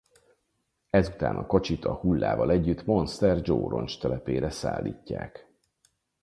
Ezután a kocsit a hullával együtt Monster Joe roncstelepére szállítják.